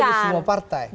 dan hampir semua partai